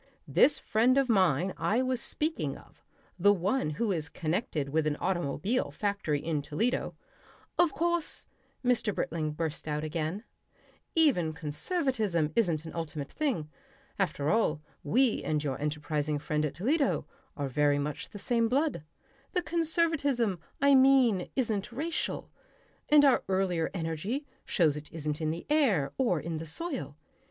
This friend of mine I was speaking of, the one who is connected with an automobile factory in Toledo " "Of course," Mr. Britling burst out again, "even conservatism isn't an ultimate thing. After all, we and your enterprising friend at Toledo, are very much the same blood. The conservatism, I mean, isn't racial. And our earlier energy shows it isn't in the air or in the soil.